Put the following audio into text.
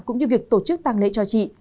cũng như việc tổ chức tàng lễ cho chị